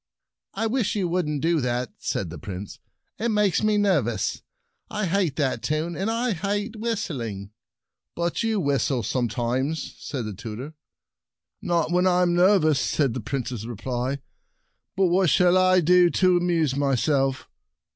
" I wish you wouldn't do that," said the Prince. "It makes me nervous. I hate that tune, and I hate whistling." "But you whistle some times," said the tutor. Fussing and the Dragons 1 7 "Not when I'm nervous," was the Prince's reply. " But what shall I do to amuse my self?"